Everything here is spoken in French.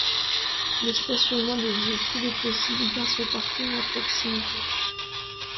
Le stationnement des véhicules est possible grâce au parking à proximité.